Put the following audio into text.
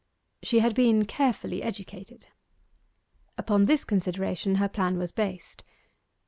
She had been carefully educated. Upon this consideration her plan was based.